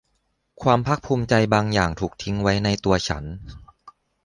ความภาคภูมิใจบางอย่างถูกทิ้งไว้ในตัวฉัน